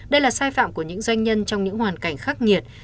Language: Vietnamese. đây là sai phạm của những doanh nhân trong những hoàn cảnh khắc nghiệt